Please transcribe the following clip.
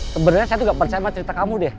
sebenarnya saya tidak percaya dengan cerita kamu